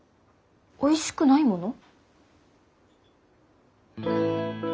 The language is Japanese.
おいしくないもの？